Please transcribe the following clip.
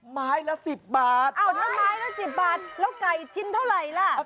ไม้ละ๑๐บาทอ้าวถ้าไม้ละ๑๐บาทแล้วไก่ชิ้นเท่าไหร่ล่ะ